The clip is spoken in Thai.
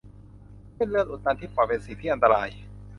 เส้นเลือดอุดตันที่ปอดเป็นสิ่งที่อันตราย